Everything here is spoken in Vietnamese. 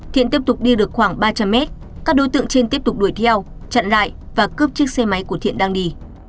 thiện tiếp tục đi được khoảng ba trăm linh mét các đối tượng trên tiếp tục đuổi theo chặn lại và cướp chiếc xe máy của thiện đang đi